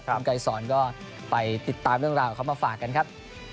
คุณไกรสอนก็ไปติดตามเรื่องราวของเขามาฝากกันครับ